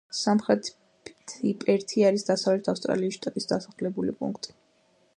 სამხრეთი პერთი არის დასავლეთ ავსტრალიის შტატის დასახლებული პუნქტი.